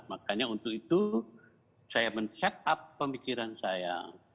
makanya untuk itu saya men set up pemikiran saya